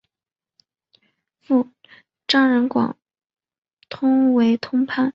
父张仁广为通判。